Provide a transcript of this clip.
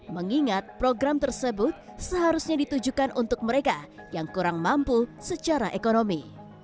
mengingat program tersebut seharusnya ditujukan untuk mereka yang kurang mampu secara ekonomi